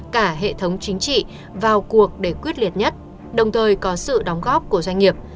cả hệ thống chính trị vào cuộc để quyết liệt nhất đồng thời có sự đóng góp của doanh nghiệp